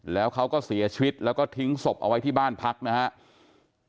แล้วเขาก็เสียชีวิตแล้วก็ทิ้งศพเอาไว้ที่บ้านพักนะครับ